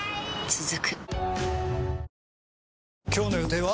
続く今日の予定は？